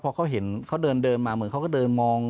พอเขาเห็นเขาเดินมาเหมือนเขาก็เดินมอง